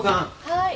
はい。